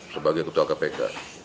sebagai ketua kpk